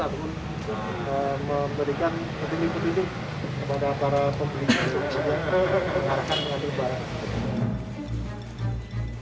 atau memberikan petunjuk petunjuk kepada para pembeli